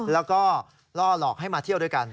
แล้วก็ล่อหลอกให้มาเที่ยวด้วยกัน